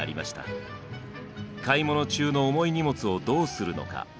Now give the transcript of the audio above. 買い物中の重い荷物をどうするのか。